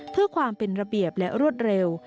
เพื่อความเป็นระเบียบและรวดเร็ว